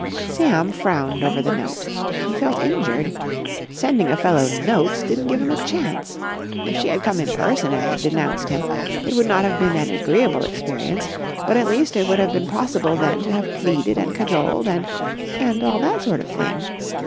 Sam frowned over the note. He felt injured. Sending a fellow notes didn't give him a chance. If she had come in person and denounced him it would not have been an agreeable experience, but at least it would have been possible then to have pleaded and cajoled and—and all that sort of thing.